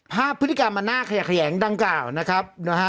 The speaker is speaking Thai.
ภาพพฤติกรรมมันน่าขยะแขยงดังกล่าวนะครับนะฮะ